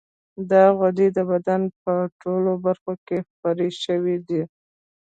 دا غدې د بدن په ټولو برخو کې خپرې شوې دي.